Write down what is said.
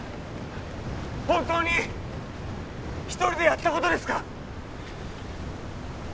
本当に一人でやったことですか？